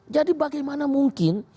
jadi bagaimana mungkin